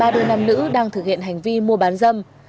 ba đôi nam nữ đang thực hiện hành vi mua bán dâm